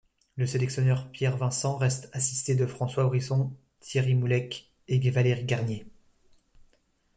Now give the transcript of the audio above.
Le sélectionneur Pierre Vincent reste assisté de François Brisson, Thierry Moullec et Valérie Garnier.